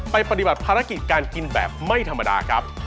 ปฏิบัติภารกิจการกินแบบไม่ธรรมดาครับ